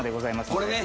これね。